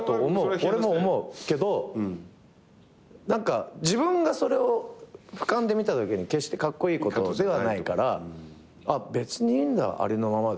俺も思うけど自分がそれを俯瞰で見たときに決してカッコイイことではないから別にいいんだありのままで。